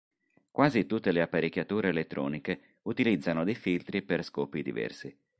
Quasi tutte le apparecchiature elettroniche utilizzano dei filtri per scopi diversi.